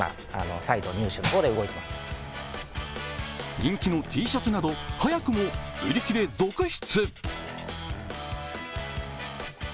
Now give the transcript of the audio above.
人気のＴシャツなど早くも売り切れ続出。